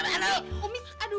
ummi aduh ummi gimana